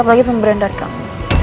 apalagi pemberian dari kamu